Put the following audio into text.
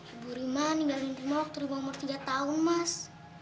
ibu rima ninggalin rumah waktu lima umur tiga tahun mas